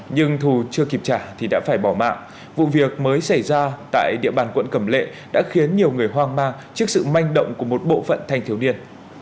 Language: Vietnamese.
nhưng dù chưa kịp trả thì đã phải bỏ mạng vụ việc mới xảy ra tại địa bàn quận cẩm lệ đã khiến nhiều người hoang mang trước sự manh động của một bộ phận thanh thiếu niên